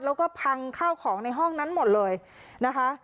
แล้วก็พังข้าวของในห้องนั้นหมดเลยนะคะ